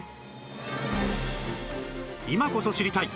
今こそ知りたい！